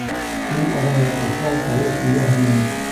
Ул арала уҫал тауыш эйәһенең: